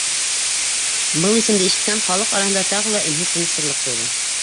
Был исемде ишеткән халыҡ араһында тағы ла өнһөҙ тынысһыҙлыҡ тыуҙы.